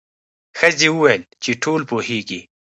ښځې وویل چې ټول پوهیږي.